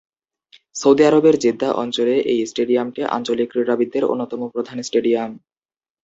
Saudi আরবের Jeddah অঞ্চলে এই স্টেডিয়ামটি আঞ্চলিক ক্রীড়াবিদদের অন্যতম প্রধান স্টেডিয়াম।